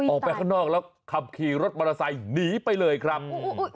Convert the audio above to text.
ออกไปข้างนอกแล้วขับขี่รถมอเตอร์ไซค์หนีไปเลยครับ